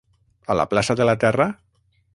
a la plaça de la Terra?